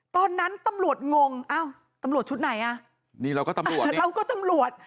ตอนนั้นตำรวจงงอ้าวตำรวจชุดไหนอ่ะนี่เราก็ตำรวจเราก็ตำรวจ